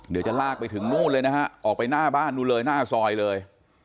เดี๋ยวจะลากไปถึงนู่นเลยนะฮะออกไปหน้าบ้านนู่นเลยหน้าซอยเลย